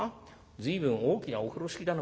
随分大きなお風呂敷だね